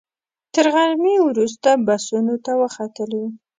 تر غرمې وروسته بسونو ته وختلو.